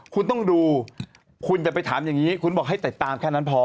คุณต้องดูคุณอย่าไปถามอย่างนี้คุณบอกให้ติดตามแค่นั้นพอ